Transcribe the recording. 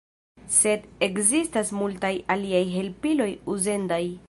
Sed ekzistas multaj aliaj helpiloj uzendaj.